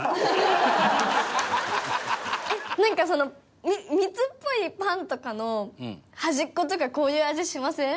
なんかその蜜っぽいパンとかの端っことかこういう味しません？